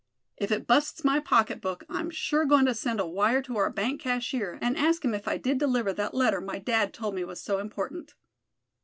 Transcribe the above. If it busts my pocketbook I'm sure goin' to send a wire to our bank cashier, and ask him if I did deliver that letter my dad told me was so important."